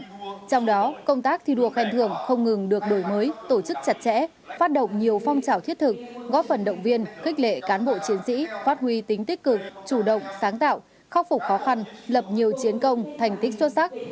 trong đó công tác thi đua khen thưởng không ngừng được đổi mới tổ chức chặt chẽ phát động nhiều phong trào thiết thực góp phần động viên khích lệ cán bộ chiến sĩ phát huy tính tích cực chủ động sáng tạo khắc phục khó khăn lập nhiều chiến công thành tích xuất sắc